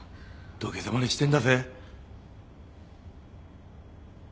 土下座までしてんだぜ。